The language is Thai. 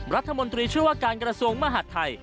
รัฐมนตรีชื่อว่าการกรส่งมหัฐไทย